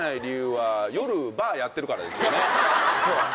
そう。